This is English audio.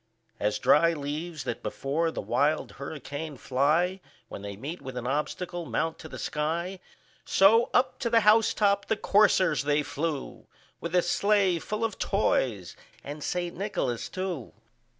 As dry leaves that before the wild hurricane fly, When they meet with an obstacle, mount to the sky, So, up to the house top the coursers they flew, With a sleigh full of toys and St. Nicholas too.